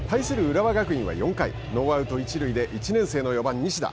浦和学院は４回ノーアウト、一塁で１年生の４番西田。